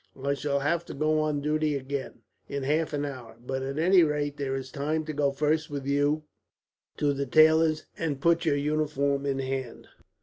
I shall have to go on duty again, in half an hour. But at any rate, there is time to go first with you to the tailor's, and put your uniform in hand."